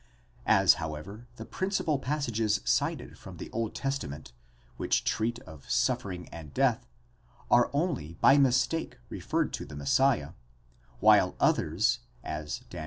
As, however, the principal passages cited from the Old Testament, which treat of suffering and death, are only by mistake referred to the Messiah, while others, as Dan.